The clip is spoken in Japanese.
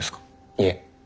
いえ。